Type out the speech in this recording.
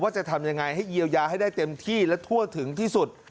จะทำยังไงให้เยียวยาให้ได้เต็มที่และทั่วถึงที่สุด